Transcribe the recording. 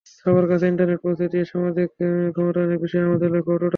সবার কাছে ইন্টারনেট পৌঁছে দিয়ে সামাজিক ক্ষমতায়নের বিষয়ে আমাদের লক্ষ্য অটুট আছে।